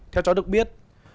theo cháu được biết